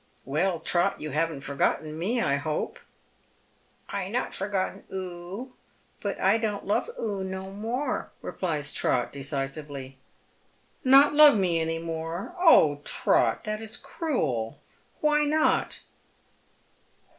" Well, Trot, you haven't forgotten me, I hope ?"*' I not forgotten oo, but I don't love oo no more," replies Trot, a'ecisively. "Not love me any more? Oh, Trot, that is cniel. Why not?"